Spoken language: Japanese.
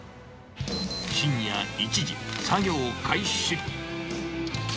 深夜１時、作業開始。